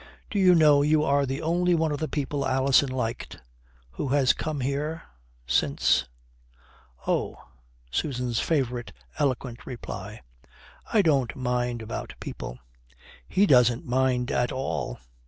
"Do you know you are the only one of the people Alison liked who has come here since?" "Oh." (Susan's favourite eloquent reply.) "I don't mind about people." "He doesn't mind at all.